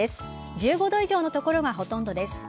１５度以上の所がほとんどです。